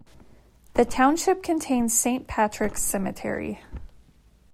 The township contains Saint Patrick's Cemetery.